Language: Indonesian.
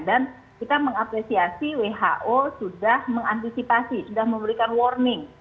dan kita mengapresiasi who sudah mengantisipasi sudah memberikan warning